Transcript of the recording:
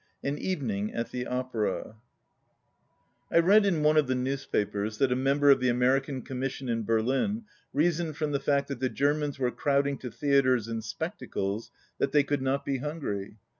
87 AN EVENING AT THE OPERA I READ in one of the newspapers that a member of ithe American Commission in Berlin reasoned from the fact that the Germans were crowding to thea tres and spectacles that they could not be hungry.